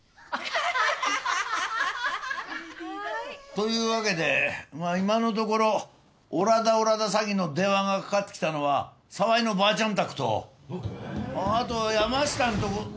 というわけでまあ今のところおらだおらだ詐欺の電話がかかってきたのは沢井のばあちゃん宅とあと山下んとこ。